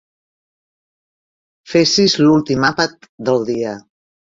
Fessis l'últim àpat del dia.